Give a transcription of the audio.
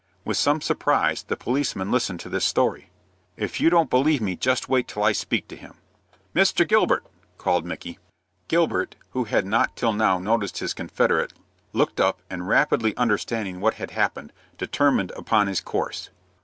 With some surprise, the policeman listened to this story. "If you don't believe me, just wait till I speak to him." "Mr. Gilbert!" called Micky. Gilbert, who had not till now noticed his confederate, looked up, and, rapidly understanding what had happened, determined upon his course.